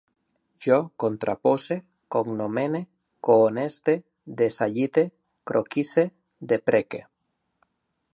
Jo contrapose, cognomene, cohoneste, desallite, croquise, depreque